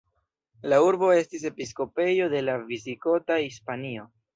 La urbo estis episkopejo de la Visigota Hispanio.